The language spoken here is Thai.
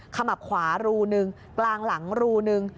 ขมับขวารูนึงกลางหลังรูนึง